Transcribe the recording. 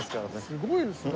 すごいですね。